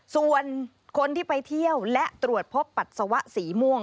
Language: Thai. ส่วนคนที่ไปเที่ยวและตรวจพบปัสสาวะสีม่วง